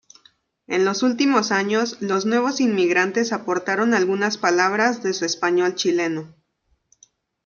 En los últimos años, los nuevos inmigrantes aportaron algunas palabras de su español chileno.